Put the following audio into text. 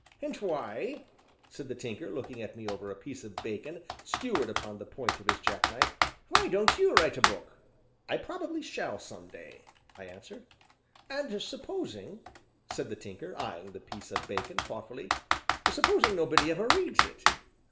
"And why," said the Tinker, looking at me over a piece of bacon skewered upon the point of his jack knife, "why don't you write a book?" "I probably shall some day," I answered. "And supposing," said the Tinker, eyeing the piece of bacon thoughtfully, "supposing nobody ever reads it?"